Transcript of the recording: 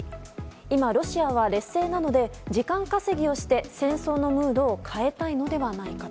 今、ロシアは劣勢なので時間稼ぎをして戦争のムードを変えたいのではないか。